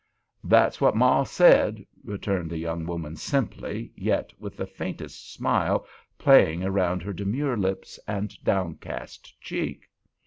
"That's what maw said," returned the young woman, simply, yet with the faintest smile playing around her demure lips and downcast cheek.